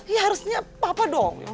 ya harusnya papa dong